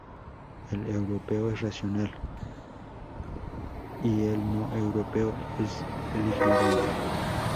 El europeo es racional y el no europeo es el ignorante.